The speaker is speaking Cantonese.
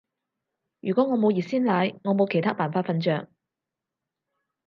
如果我冇熱鮮奶，我冇其他辦法瞓着